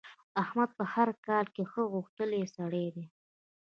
احمد په هر کار کې ښه غښتلی سړی دی.